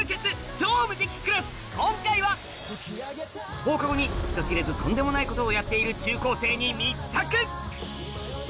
『超無敵クラス』今回は放課後に人知れずとんでもないことをやっている中高生に密着